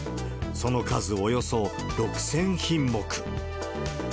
その数およそ６０００品目。